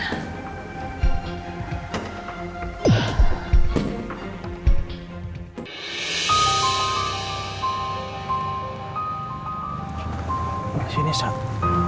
di sini sah